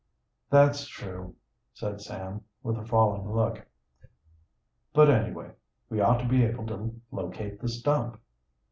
"That's true," said Sam, with a falling look. "But, anyway, we ought to be able to locate the stump."